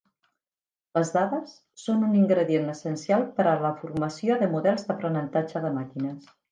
Les dades són un ingredient essencial per a la formació de models d'aprenentatge de màquines.